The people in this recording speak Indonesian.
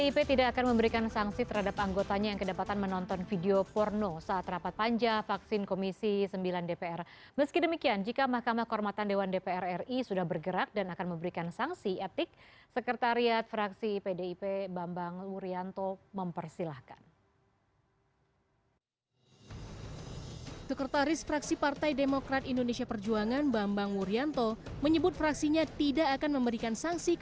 pembangunan indonesia perjuangan